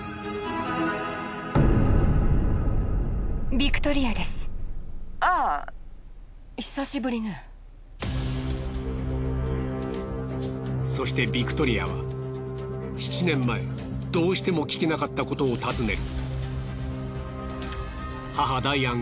ビクトリアはまずそしてビクトリアは７年前どうしても聞けなかったことを尋ねる。